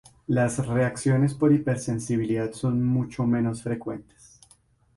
Las reacciones por hipersensibilidad son mucho menos frecuentes.